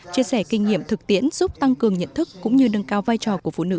chia sẻ kinh nghiệm thực tiễn giúp tăng cường nhận thức cũng như nâng cao vai trò của phụ nữ